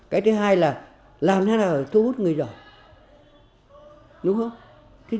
cái thứ hai là làm thế nào để thu hút người giỏi đúng không